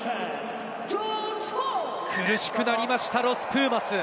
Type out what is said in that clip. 苦しくなりましたロス・プーマス。